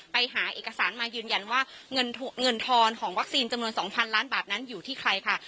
ไปหาเอกสารมายืนยันว่าเงินทอนของวัคซีนจำนวน๒๐๐ล้านบาทนั้นอยู่ที่ใครค่ะ